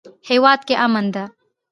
هیواد کې امن ده